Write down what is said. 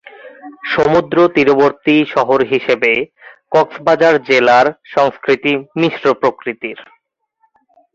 সমুদ্র তীরবর্তী শহর হিসেবে কক্সবাজার জেলার সংস্কৃতি মিশ্র প্রকৃতির।